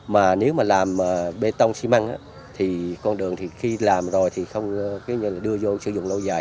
mà nếu mà làm bê tông xi măng thì con đường thì khi làm rồi thì không đưa vô sử dụng lâu dài